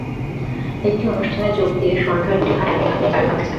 একটি অনুষ্ঠানে যোগ দিয়ে সন্ধ্যায় কুটিরহাট এলাকায় জাহাঙ্গীরের চায়ের দোকানে বসে ছিলেন।